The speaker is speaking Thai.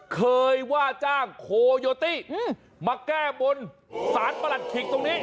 เคยว่าจ้างโคโยตี้มาแก้บนสารประหลัดขิกตรงนี้